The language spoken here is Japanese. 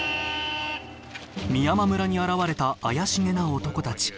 美山村に現れた怪しげな男たち。